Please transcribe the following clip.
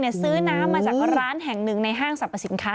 ซื้อน้ำมาจากร้านแห่งหนึ่งในห้างสรรพสินค้า